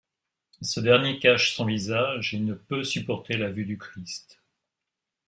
Ce dernier cache son visage, il ne peut supporter la vue du Christ.